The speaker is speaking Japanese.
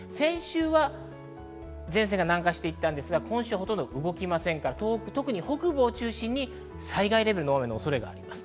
先週は前線が南下していたわけですが、今週はほとんど動きませんから東北北部を中心に災害レベルの大雨の恐れがあります。